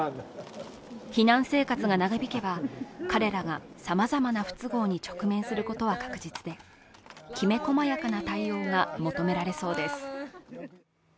避難生活が長引けば彼らが様々な不都合に直面することは確実で、きめ細やかな対応が求められそうです。